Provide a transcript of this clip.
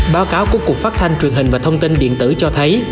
báo cáo của cục phát thanh truyền hình và thông tin điện tử cho thấy